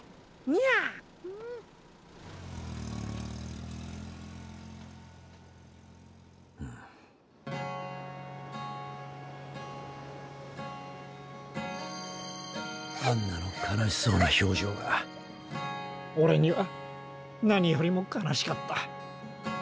アンナの悲しそうな表情がオレには何よりも悲しかった。